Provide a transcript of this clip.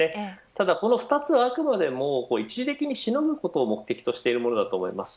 ただこの２つは、あくまでも一時的にしのぐことを目的としているものだと思います。